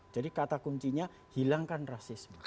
jadi kata kuncinya hilangkan rasisme